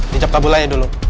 di cap kabul aja dulu